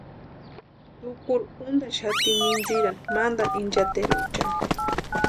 Tukuru úntaxati mintsirani mantani inchateruchani.